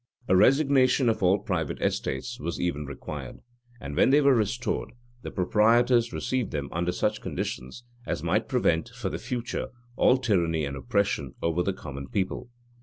[] A resignation of all private estates was even required; and when they were restored, the proprietors received them under such conditions as might prevent, for the future, all tyranny and oppression over the common people.